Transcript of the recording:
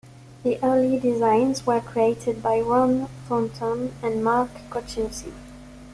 The early designs were created by Ron Thornton and Mark Kotchinski.